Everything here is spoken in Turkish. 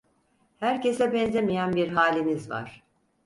Herkese benzemeyen bir haliniz var…